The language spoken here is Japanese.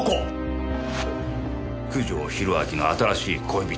九条宏明の新しい恋人だ。